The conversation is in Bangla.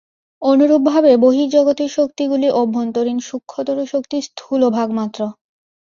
অনুরূপভাবে বহির্জগতের শক্তিগুলি অভ্যন্তরীণ সূক্ষ্মতর শক্তির স্থূলভাগ মাত্র।